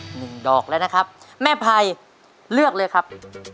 หนึ่งดอกแล้วนะครับแม่ไพรเลือกเลยครับ